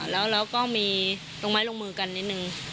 แล้วก็มีลงไม้ลงมือกันนิดนึง